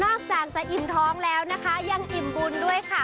นอกจากจะอิ่มท้องแล้วยังอิ่มกลุ่นด้วยค่ะ